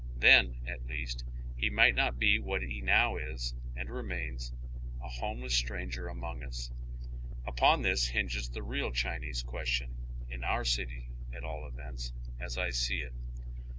Then, at least, he might not be what he now is and remains, a liomeless stranger among us. Upon this hinges the real Chinese question, in our city at oy Google CHINATOWN. 103 all events, aa I see it.